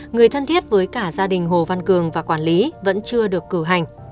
người thân thiết với cả gia đình hồ văn cường và quản lý vẫn chưa được cử hành